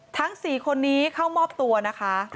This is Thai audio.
ทั้ง๔คนนี้เข้ามอบตัวนะคะ